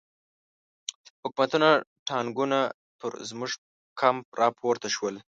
حکومتي ټانګونه پر زموږ کمپ را پورته شول.